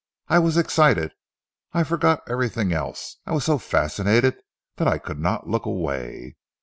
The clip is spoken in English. I was excited. I forgot everything else. I was so fascinated that I could not look away.